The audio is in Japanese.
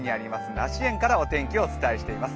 梨園からお天気をお伝えしています。